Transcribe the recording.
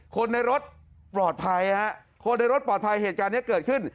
คนในรถปลอดภัยฮะคนในรถปลอดภัยเหตุการณ์นี้เกิดขึ้น